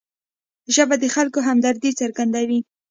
ژبه د خلکو همدردي څرګندوي